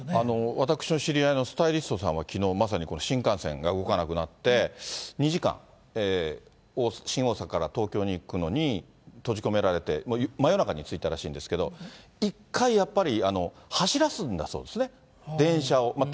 私の知り合いのスタイリストさんはきのうまさにこの新幹線が動かなくなって、２時間、新大阪から東京に行くのに閉じ込められて、真夜中に着いたらしいんですけど、１回やっぱり走らすんだそうですね、電車を。